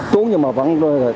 chúng nhưng mà vẫn